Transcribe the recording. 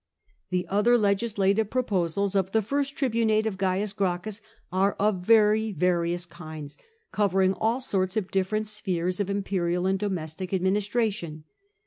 The other legislative proposals of the first tribunate of Cains Gracchus are of very various hinds, covering all sorts of different spheres of imperial and domestic admini stration.